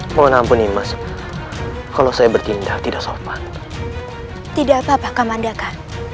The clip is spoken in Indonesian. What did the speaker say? mohon ampun nimas kalau saya bertindak tidak sopan tidak apa apa kamandaka